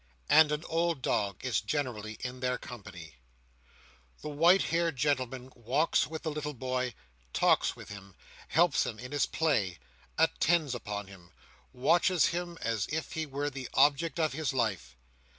And an old dog is generally in their company. The white haired gentleman walks with the little boy, talks with him, helps him in his play, attends upon him, watches him as if he were the object of his life.